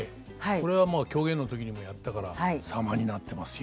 これはまあ狂言の時にもやったから様になってますよ。